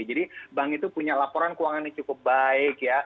jadi bank itu punya laporan keuangan yang cukup baik